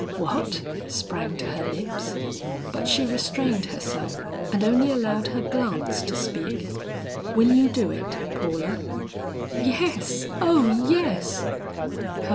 "What?" sprang to her lips; but she restrained herself and only allowed her glance to speak. "Will you do it, Paula?" "Yes, oh yes!"